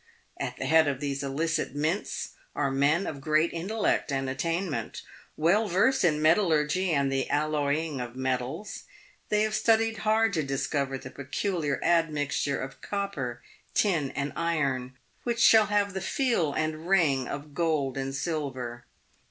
At the head of these illicit mints are men of great intellect and attainment, well versed in metallurgy and the alloying of metals. They have studied hard to discover the peculiar admixture of copper, tin, and iron, which shall have the feel and ring of gold and silver.